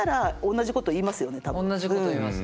同じこと言います。